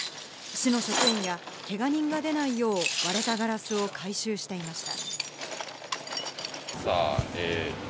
市の職員が、けが人が出ないよう割れたガラスを回収していました。